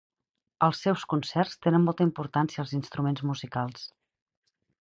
Als seus concerts tenen molta importància els instruments musicals.